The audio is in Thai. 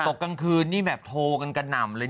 กลางคืนนี่แบบโทรกันกระหน่ำเลย